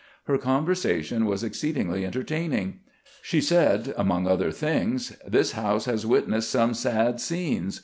Her conversation was exceed ingly entertaining. She said, among other things: " This house has witnessed some sad scenes.